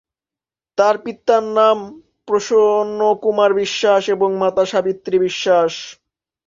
তার পিতার নাম প্রসন্ন কুমার বিশ্বাস এবং মাতা সাবিত্রী বিশ্বাস।